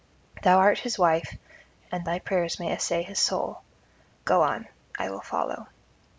Thou art his wife, and thy prayers may essay his soul. Go on; I will follow.'